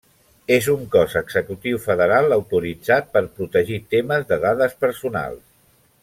És un cos executiu federal autoritzat per protegir temes de dades personals.